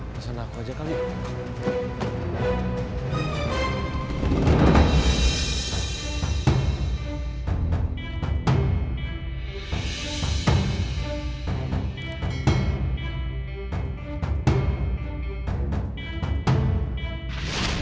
masalah aku aja kali ya